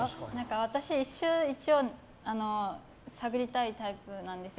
私、一応探りたいタイプなんですよ。